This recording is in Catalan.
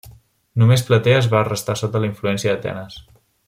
Només Platees va restar sota influència d'Atenes.